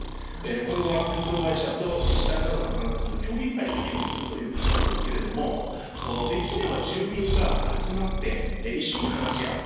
今後は鉄道会社と自治体などが参加する協議会で議論するということなんですけれどできれば住民が集まって一緒に話し合う。